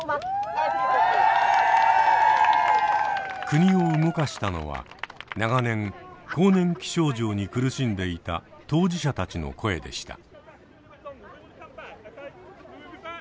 国を動かしたのは長年更年期症状に苦しんでいた当事者たちの声でした。